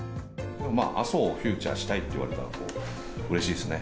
阿蘇をフィーチャーしたいって言われたらうれしいですよね。